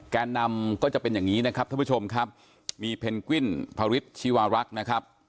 แกนนำก็จะเป็นอย่างนี้นะครับท่านผู้ชมครับมีเพนกวินพระฤทธิวารักษ์นะครับ